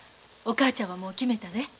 お母ちゃんはもう決めたで。